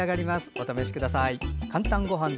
お試しください。